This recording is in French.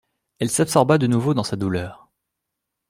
Et elle s'absorba de nouveau dans sa douleur.